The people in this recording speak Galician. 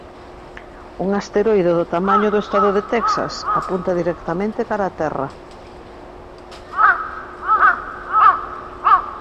Un asteroide do tamaño do estado de Texas apunta directamente cara a Terra.